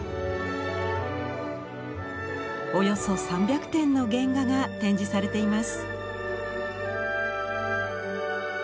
およそ３００点の原画が展示されています。